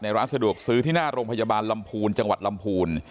ร้านสะดวกซื้อที่หน้าโรงพยาบาลลำพูนจังหวัดลำพูน